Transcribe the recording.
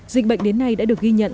dịch bệnh đến nay đã được ghi nhận